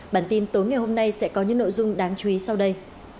bản tin tối ngày hôm nay sẽ có những nội dung đáng chú ý sau đây